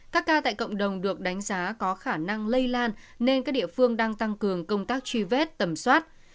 các ca tại cộng đồng được đánh giá có khả năng lây lan nên các địa phương đang tăng cường công tác truy vết tẩm soát